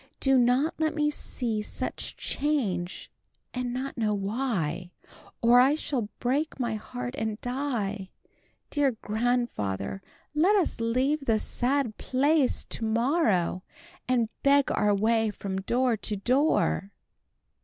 Do not let me see such change and not know why, or I shall break my heart and die. Dear grandfather, let us leave this sad place to morrow, and beg our way from door to door."